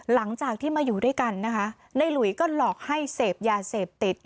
หลังจากที่มาอยู่ด้วยกันนะคะในหลุยก็หลอกให้เสพยาเสพติด